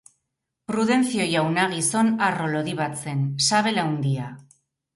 Prudencio jauna gizon harro, lodi bat zen, sabel handia.